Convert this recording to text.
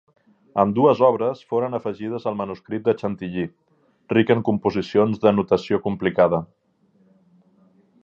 Ambdues obres foren afegides al manuscrit de Chantilly, ric en composicions de notació complicada.